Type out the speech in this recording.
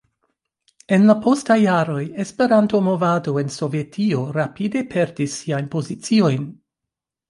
En la postaj jaroj Esperanto-movado en Sovetio rapide perdis siajn poziciojn.